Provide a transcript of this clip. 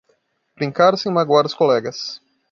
Brincar sem magoar os colegas.